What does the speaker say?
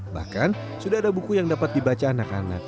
bahkan sudah ada buku yang dapat dibaca anak anak